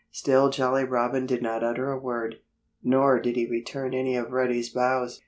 Still Jolly Robin did not utter a word. Nor did he return any of Reddy's bows.